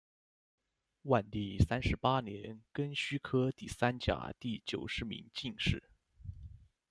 万历三十八年庚戌科第三甲第九十名进士。